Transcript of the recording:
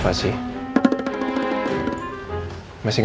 kalo ketawa aku yang nyerang